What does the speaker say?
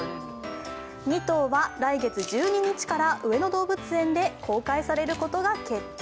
２頭は来月１２日から上野動物園で公開されることが決定。